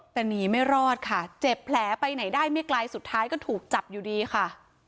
แต่หนีไม่รอดค่ะเจ็บแผลไปไหนได้ไม่ไกลสุดท้ายก็ถูกจับอยู่ดีค่ะ